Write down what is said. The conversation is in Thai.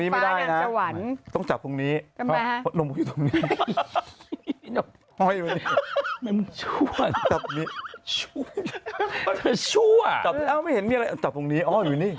แม่นะไม่ใช่หัว